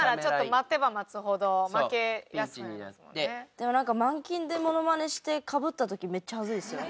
でもマンキンでモノマネしてかぶった時めっちゃはずいですよね。